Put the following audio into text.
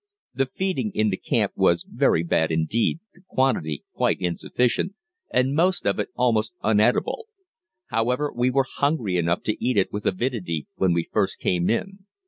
The feeding in the camp was very bad indeed, the quantity quite insufficient, and most of it almost uneatable. However, we were hungry enough to eat it with avidity when we first came in.